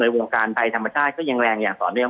ในวงการไทยธรรมชาติก็แยงแรงอย่างส่วนหนึ่ง